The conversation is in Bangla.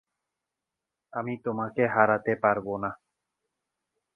আমি তোমাকে হারাতে পারবো না।